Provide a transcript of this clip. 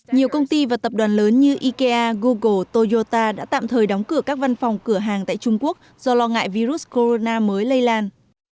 nhiều công ty và tập đoàn lớn như ikea google toyota đã tạm thời đóng cửa các văn phòng cửa hàng tại trung quốc do lo ngại virus corona mới lây lan